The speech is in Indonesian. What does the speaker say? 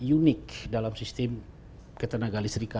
unik dalam sistem ketenaga listrikan